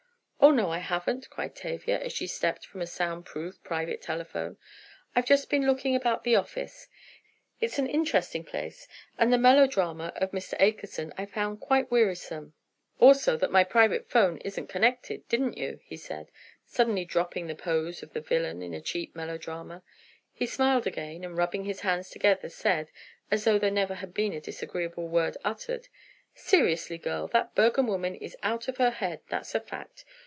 "Oh, no I haven't," cried Tavia, as she stepped from a sound proof private telephone booth. "I've just been looking about the office. It's an interesting place, and the melodrama of Mr. Akerson I found quite wearisome." "Also that my private 'phone isn't connected; didn't you?" he said. Suddenly dropping the pose of the villain in a cheap melodrama, he smiled again and rubbing his hands together said, as though there never had been a disagreeable word uttered: "Seriously, girls, that Bergham woman is out of her head, that's a fact.